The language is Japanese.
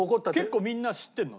結構みんな知ってるの？